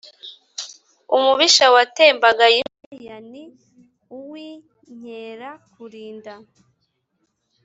Umubisha watembagaye inkwaya ni uw’Inkerakulinda